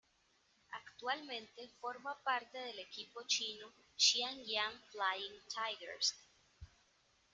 Actualmente forma parte del equipo chino Xinjiang Flying Tigers.